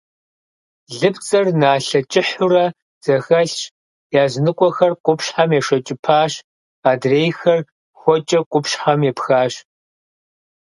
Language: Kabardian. Лыпцӏэр налъэ кӏыхьурэ зэхэлъщ, языныкъуэхэр къупщхьэм ешэкӏыпащ, адрейхэр хуэкӏэ къупщхьэм епхащ.